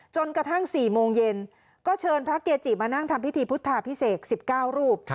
จนกระทั่ง๔โมงเย็นก็เชิญพระเกจิมานั่งทำพิธีพุทธาพิเศษ๑๙รูป